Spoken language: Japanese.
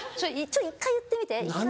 一回言ってみて一回。